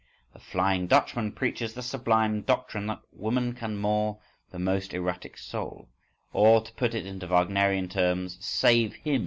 … The "Flying Dutchman" preaches the sublime doctrine that woman can moor the most erratic soul, or to put it into Wagnerian terms "save" him.